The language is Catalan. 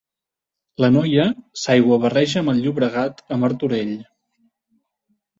L'Anoia s'aiguabarreja amb el Llobregat a Martorell.